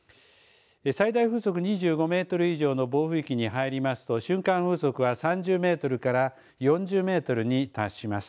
最大風速２５メートル以上の暴風域に入りますと瞬間風速は３０メートルから４０メートルに達します。